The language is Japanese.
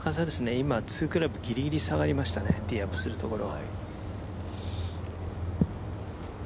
今２クラブギリギリに下がりましたねティーアップするところ。